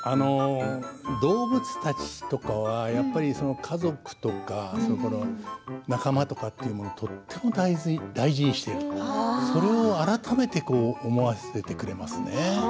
動物たちとかはやっぱり家族とかそれからそれから仲間とかをとても大事にしているそれを改めて思わせてくれますね。